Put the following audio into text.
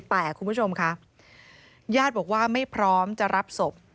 แต่คุณผู้ชมค่ะญาติบอกว่าไม่พร้อมจะรับศพ